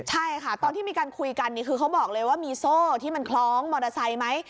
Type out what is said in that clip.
ใช่ค่ะตอนที่มีการคุยกันคือเขาบอกเลยว่ามีโซ่ที่มันคล้องมอเตอร์ไซค์ไหม